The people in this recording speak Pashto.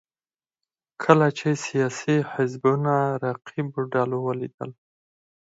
کله چې سیاسي حزبونو رقیبو ډلو ولیدل